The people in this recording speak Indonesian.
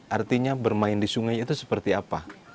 artinya bermain di sungai itu seperti apa